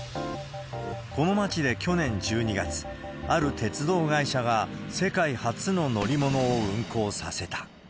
この町で去年１２月、ある鉄道会社が世界初の乗り物を運行させた。